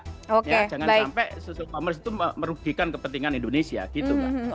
ya jangan sampai social commerce itu merugikan kepentingan indonesia gitu mbak